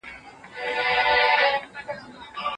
د ښځي او نارينه حقوق سره مساوي دي؟